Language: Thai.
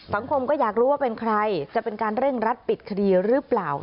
สังคมก็อยากรู้ว่าเป็นใครจะเป็นการเร่งรัดปิดคดีหรือเปล่า